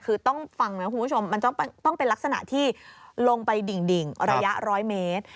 คือต้องฟังนะคุณผู้ชมมันต้องเป็นลักษณะที่ลงไปดิ่งระยะ๑๐๐เมตร